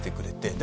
で